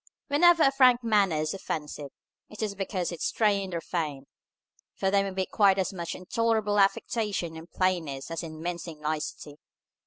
Whenever a frank manner is offensive, it is because it is strained or feigned; for there may be quite as much intolerable affectation in plainness as in mincing nicety.